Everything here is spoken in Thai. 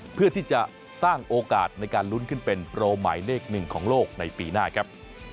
เพื่อที่จะสร้างโอกาสในการลุ้นขึ้นเป็นโปรหมายเลขหนึ่งของโลกในปีหน้าครับ